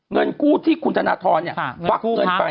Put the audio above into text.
เงินกู้ที่คุณธนทรควักเงินไป